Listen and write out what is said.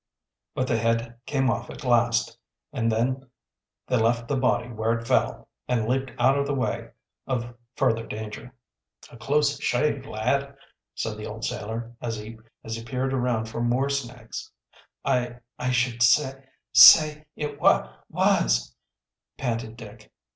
But the head came off at last and then they left the body where it fell, and leaped out of the way of further danger. "A close shave, lad," said the old sailor, as he peered around for more snakes. "I I should sa say it wa was," panted Dick.